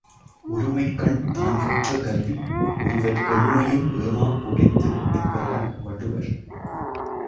ஒருமைக்கண் தான்கற்ற கல்வி ஒருவற் கெழுமையும் ஏமாப் புடைத்து என்கிறார் வள்ளுவர்.